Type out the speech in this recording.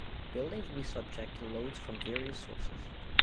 Buildings will be subject to loads from various sources.